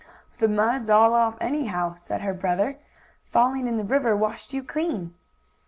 "The mud's all off anyhow," said her brother. "Falling in the river washed you clean."